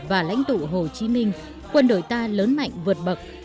và lãnh tụ hồ chí minh quân đội ta lớn mạnh vượt bậc